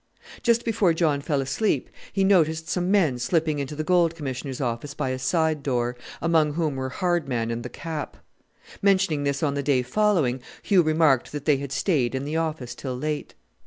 Just before John fell asleep he noticed some men slipping into the Gold Commissioner's office by a side door, among whom were Hardman and the "Cap." Mentioning this on the day following, Hugh remarked that they had stayed in the office till late.